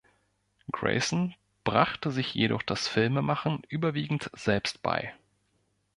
Greyson brachte sich jedoch das Filmemachen überwiegend selbst bei.